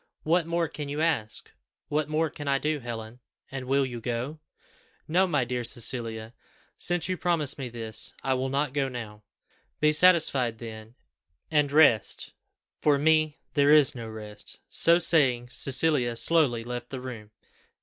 What more can you ask? what more can I do, Helen? And will you go?" "No no, my dear Cecilia. Since you promise me this, I will not go now." "Be satisfied then, and rest for me there is no rest;" so saying Cecilia slowly left the room.